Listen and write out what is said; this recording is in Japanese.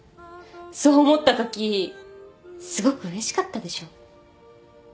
そう思ったときすごくうれしかったでしょ？